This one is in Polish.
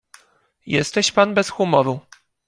"Jesteś pan bez humoru."